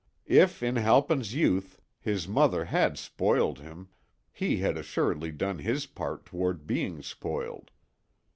If in Halpin's youth his mother had "spoiled" him, he had assuredly done his part toward being spoiled.